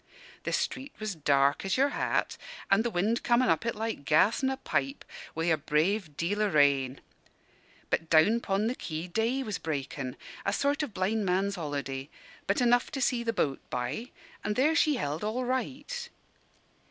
"The street was dark as your hat and the wind comin' up it like gas in a pipe, with a brave deal o' rain. But down 'pon the quay day was breakin' a sort of blind man's holiday, but enough to see the boat by; and there she held all right.